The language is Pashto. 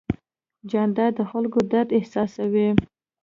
جانداد د خلکو درد احساسوي.